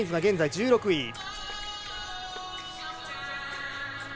現在、１６位。